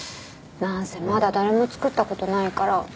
何せまだ誰も作ったことないから。